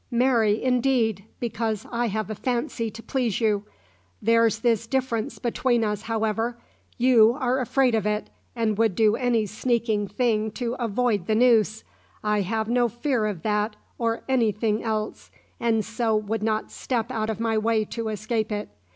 "Marry, indeed! because I have a fancy to please you. There's this difference between us, however: you are afraid of it, and would do any sneaking thing to avoid the noose! I have no fear of that or any thing else, and so would not step out of my way to escape it.